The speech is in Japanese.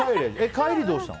帰りはどうしたの？